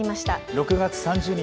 ６月３０日